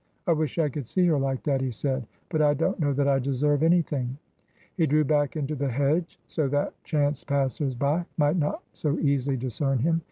" I wish I could see her like that," he said ;" but I don't know that I deserve anything." He drew back into the hedge, so that chance passers by might not so easily discern him.